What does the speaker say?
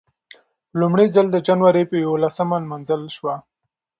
په لومړي ځل د جنورۍ یولسمه نمانځل شوه.